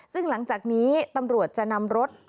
ซึ่งหลังจากนี้ตำรวจจะนำรถ